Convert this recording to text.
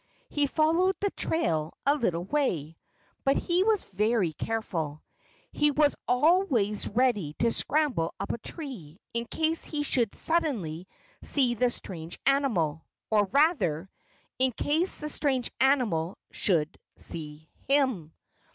He followed the trail a little way. But he was very careful. He was always ready to scramble up a tree, in case he should suddenly see the strange animal or rather, in case the strange animal should see HIM.